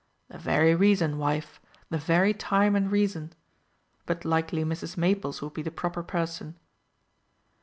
"The very reason, wife, the very time and reason. But likely Mrs. Maples would be the proper person."